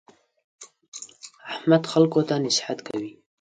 احمد خلکو ته نصیحت کوي.